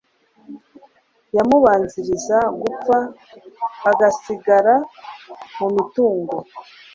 yamubanziriza gupfa agasigara mu mitungo